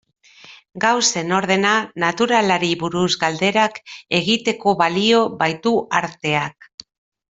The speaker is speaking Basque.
Gauzen ordena naturalari buruz galderak egiteko balio baitu arteak.